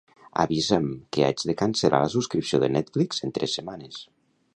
Avisa'm que haig de cancel·lar la subscripció de Netflix en tres setmanes.